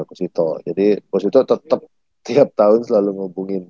iya kocito jadi kocito tetep tiap tahun selalu ngubungin